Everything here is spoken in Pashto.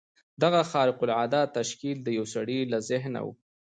دغه خارق العاده تشکیل د یوه سړي له ذهنه و